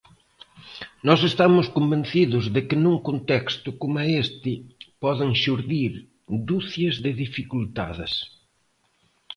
Nós estamos convencidos de que nun contexto coma este poden xurdir ducias de dificultades.